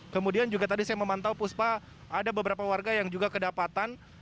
kemudian juga tadi saya memantau puspa ada beberapa warga yang juga kedapatan